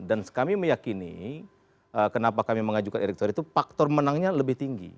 dan kami meyakini kenapa kami mengajukan erick thohir itu faktor menangnya lebih tinggi